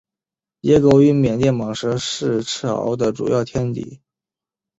野狗与缅甸蟒蛇是赤麂的主要天敌。